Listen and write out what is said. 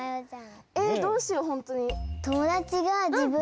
えどうしようホントに。